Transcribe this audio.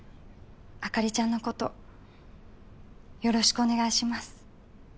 朱梨ちゃんのことよろしくお願いします。